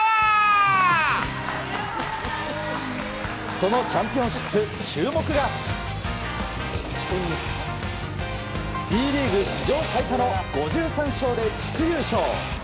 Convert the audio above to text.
そのチャンピオンシップ注目がＢリーグ史上最多の５３勝で地区優勝。